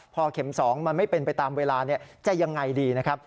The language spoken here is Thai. พอเข็ม๒มันไม่เป็นไปตามเวลาจะยังไงดีนะครับ